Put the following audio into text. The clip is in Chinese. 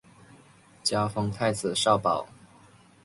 加封太子少保。